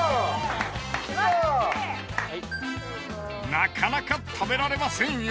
なかなか食べられませんよ。